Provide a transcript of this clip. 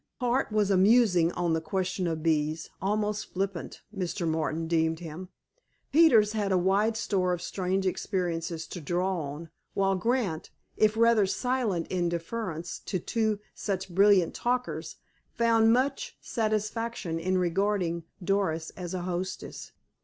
Hart was amusing on the question of bees—almost flippant, Mr. Martin deemed him. Peters had a wide store of strange experiences to draw on, while Grant, if rather silent in deference to two such brilliant talkers, found much satisfaction in regarding Doris as a hostess.